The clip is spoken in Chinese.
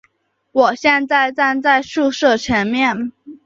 我现在站在宿舍前面